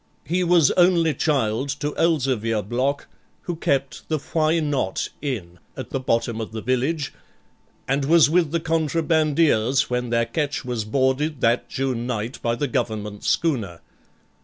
He was only child to Elzevir Block, who kept the Why Not? inn at the bottom of the village, and was with the contrabandiers, when their ketch was boarded that June night by the Government schooner.